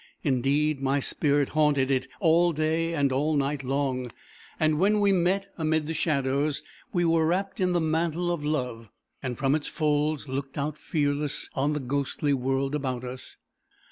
Indeed my spirit haunted it all day and all night long. And when we met amid the shadows, we were wrapped in the mantle of love, and from its folds looked out fearless on the ghostly world about us.